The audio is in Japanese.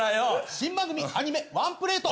新番組アニメ『ワンプレート』！